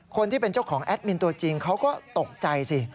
คนที่เป็นเจ้าของแอดมินตัวจริงเขาก็ตกใจสิ